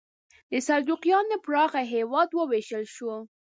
د سلجوقیانو پراخه هېواد وویشل شو.